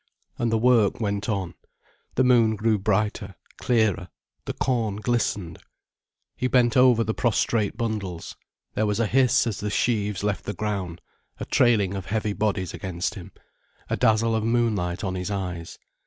And the work went on. The moon grew brighter, clearer, the corn glistened. He bent over the prostrate bundles, there was a hiss as the sheaves left the ground, a trailing of heavy bodies against him, a dazzle of moonlight on his eyes.